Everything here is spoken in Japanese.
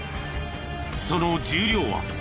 その重量は？